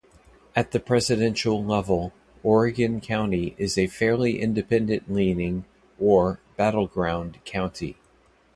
At the presidential level, Oregon County is a fairly independent-leaning or battleground county.